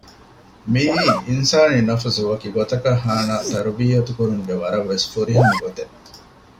މިއީ އިންސާނީ ނަފުސު ވަކިގޮތަކަށް ހާނައި ތަރްބިޔަތު ކުރުމުގެ ވަރަށްވެސް ފުރިހަމަ ގޮތެއް